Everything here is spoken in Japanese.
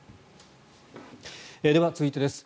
では、続いてです。